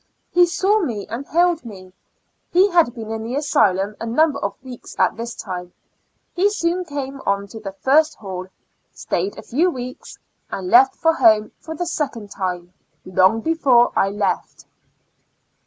He saw me and hailed me. He had been in the asylum a number of weeks at this time; he soon came on to the first hall, stayed a few weeks, and left for home for the second time, long before I left.